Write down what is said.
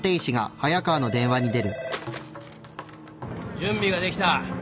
☎準備ができた。